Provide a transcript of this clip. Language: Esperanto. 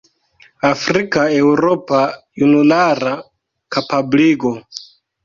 "Afrika-Eŭropa junulara kapabligo".